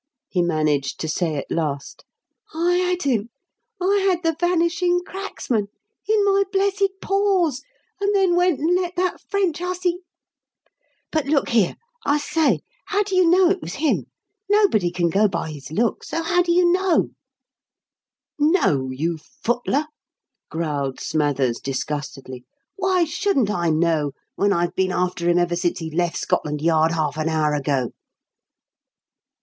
he managed to say at last. "I had him I had the Vanishing Cracksman in my blessed paws and then went and let that French hussy But look here; I say, now, how do you know it was him? Nobody can go by his looks; so how do you know?" "Know, you footler!" growled Smathers, disgustedly. "Why shouldn't I know when I've been after him ever since he left Scotland Yard half an hour ago?"